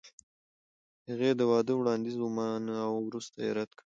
هغې د واده وړاندیز ومانه او وروسته یې رد کړ.